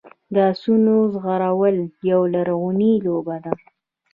د اسونو ځغلول یوه لرغونې لوبه ده.